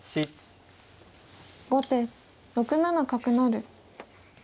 後手６七角成。